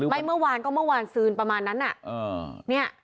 เมื่อวานก็เมื่อวานซืนประมาณนั้นน่ะ